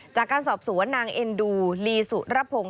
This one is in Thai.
จากการสอบสวนนางเอ็นดูลีสุรพงศ์